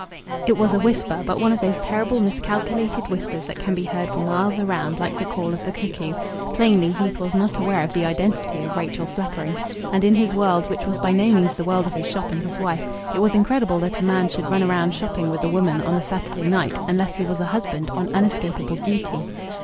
It was a whisper, but one of those terrible, miscalculated whispers that can be heard for miles around, like the call of the cuckoo. Plainly Heath was not aware of the identity of Rachel Fleckring. And in his world, which was by no means the world of his shop and his wife, it was incredible that a man should run round shopping with a woman on a Saturday night unless he was a husband on unescapable duty.